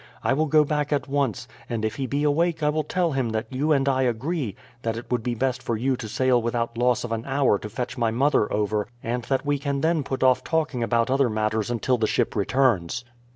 I will go back at once, and if he be awake I will tell him that you and I agree that it will be best for you to sail without loss of an hour to fetch my mother over, and that we can then put off talking about other matters until the ship returns."